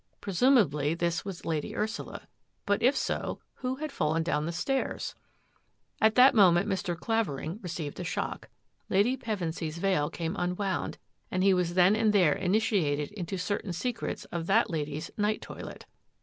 Presumably this was Lady Ursula. But if so, who had fallen down the stairs ? At that moment Mr. Clavering received a shock. Lady Pevensy's veil came unwound and he was then and there initiated into certain secrets of that lady's night toilet.